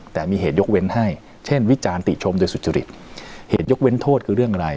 แต่มีเหตุยกเว้นให้เช่นวิจารณ์ติชมโดยสุจริตเหตุยกเว้นโทษคือเรื่องอะไร